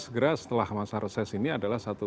segera setelah masa reses ini adalah satu